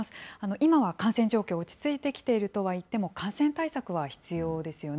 今は感染状況、落ち着いてきているとはいっても、感染対策は必要ですよね。